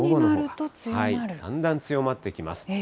だんだん強まってきます。